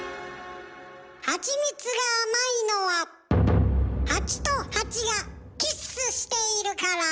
ハチミツが甘いのはハチとハチがキッスしているから。